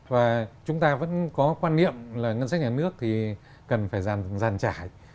và chúng ta vẫn có quan niệm là ngân sách nhà nước thì cần phải giàn trải